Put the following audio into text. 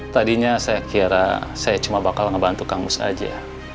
tadinya saya kira saya cuma bakal ngebantu kang mus aja